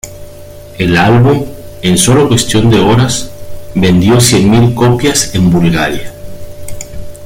El álbum, en solo cuestión de horas, vendió cien mil copias en Bulgaria.